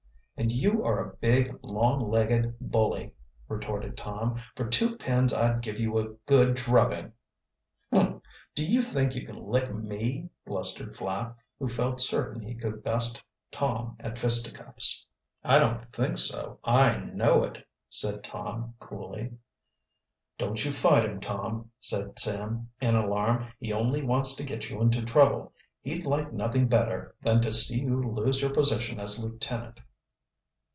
"And you are a big, long legged bully," retorted Tom. "For two pins I'd give you a good drubbing." "Humph! Do you think you can lick me?" blustered Flapp, who felt certain he could best Tom at fisticuffs. "I don't think so I know it," said Tom coolly. "Don't you fight him, Tom," said Sam, in alarm. "He only wants to get you into trouble. He'd like nothing better than to see you lose your position as lieutenant."